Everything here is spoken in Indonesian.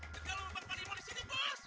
tidak lupa pandemon di sini bos